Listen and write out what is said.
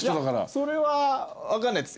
それは分かんないです。